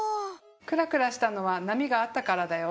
クラクラしたのは波があったからだよ。